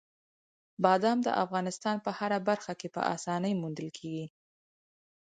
بادام د افغانستان په هره برخه کې په اسانۍ موندل کېږي.